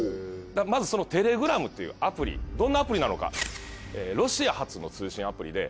まずそのテレグラムというアプリどんなアプリなのか。